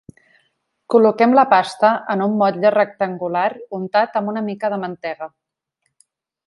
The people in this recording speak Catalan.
Col·loquem la pasta en un motlle rectangular untat amb una mica de mantega.